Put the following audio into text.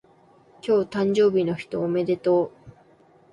今日誕生日の人おめでとう